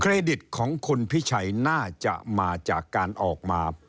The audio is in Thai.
ดิตของคุณพิชัยน่าจะมาจากการออกมา